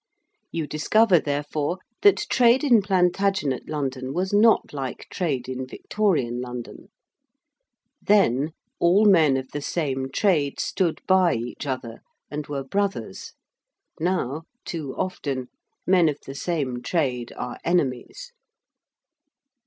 You discover, therefore, that trade in Plantagenet London was not like trade in Victorian London. Then, all men of the same trade stood by each other and were brothers: now, too often, men of the same trade are enemies.